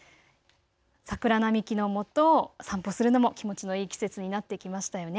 桜並木のもとを散歩するのも気持ちのいい季節になってきましたよね。